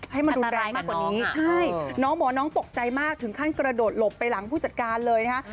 ให้มันรุนแรงมากกว่านี้ใช่น้องบอกว่าน้องตกใจมากถึงขั้นกระโดดหลบไปหลังผู้จัดการเลยนะฮะ